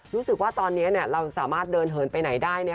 รู้สึกว่าตอนนี้เราสามารถเดินเหินไปไหนได้